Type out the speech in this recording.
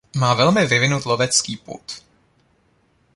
Má velmi vyvinut lovecký pud.